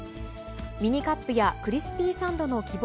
ミニカップやクリスピーサンドの希望